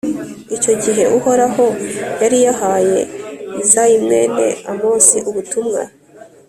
Icyo gihe Uhoraho yari yahaye Izayi mwene Amosi ubutumwa,